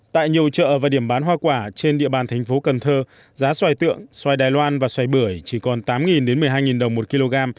tại nhiều chợ và điểm bán hoa quả trên địa bàn thành phố cần thơ giá xoài tượng xoài đài loan và xoài bưởi chỉ còn tám một mươi hai đồng một kg